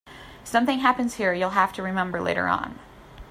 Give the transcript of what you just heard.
Something happens here you'll have to remember later on.